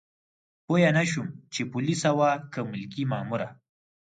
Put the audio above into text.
پوه نه شوم چې پولیسه وه که ملکي ماموره.